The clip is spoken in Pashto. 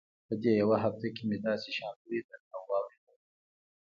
په دې يوه هفته کښې مې داسې شيان وليدل او واورېدل.